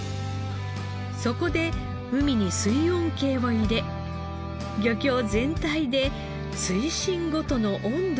そこで海に水温計を入れ漁協全体で水深ごとの温度を